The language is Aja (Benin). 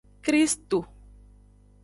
Kristo.